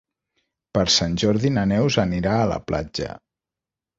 Per Sant Jordi na Neus anirà a la platja.